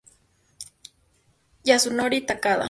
Yasunori Takada